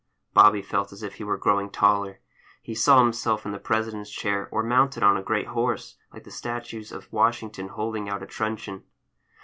Bobby felt as if he were growing taller. He saw himself in the President's chair, or mounted on a great horse, like the statues of Washington, holding out a truncheon.